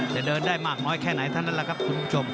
จะเดินได้มากน้อยแค่ไหนเท่านั้นแหละครับคุณผู้ชม